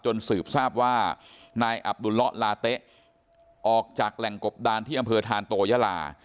สืบทราบว่านายอับดุลละลาเต๊ะออกจากแหล่งกบดานที่อำเภอธานโตยาลา